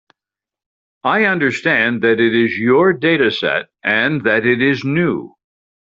I understand that it is your dataset, and that it is new.